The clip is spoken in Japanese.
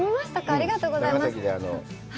ありがとうございます。